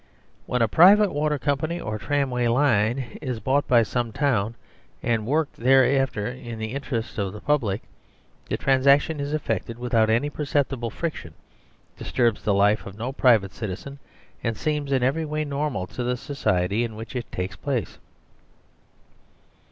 When a private Water company or Tram way line is bought by some town and worked there after in the interests of the public, the transaction is effected without any perceptible friction, disturbs the life of no private citizen, and seems in every way normal to the society in which it takes place.